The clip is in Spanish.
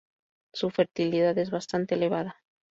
Su fertilidad es bastante elevada.